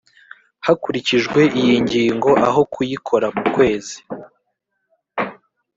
Hakurikijwe iyi ngingo aho kuyikora mu kwezi